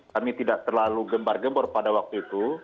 kami tidak terlalu gembar gembor pada waktu itu